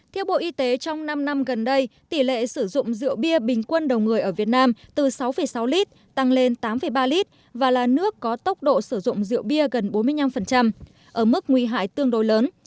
theo bộ y tế trong năm năm gần đây tỷ lệ sử dụng rượu bia bình quân đầu người ở việt nam từ sáu sáu lít tăng lên tám ba lít và là nước có tốc độ sử dụng rượu bia gần bốn mươi năm ở mức nguy hại tương đối lớn